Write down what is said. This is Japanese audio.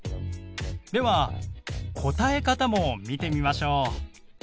では答え方も見てみましょう。